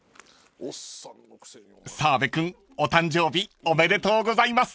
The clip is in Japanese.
［澤部君お誕生日おめでとうございます］